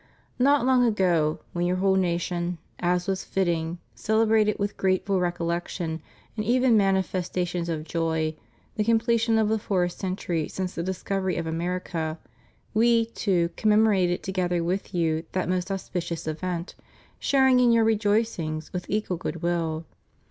Not long ago, when your whole nation, as was fitting, celebrated, with grateful recollection and every manifes tation of joy, the completion of the fourth century since the discovery of America, We, too, commemorated to gether with you that most auspicious event, sharing in your rejoicings with equal good will.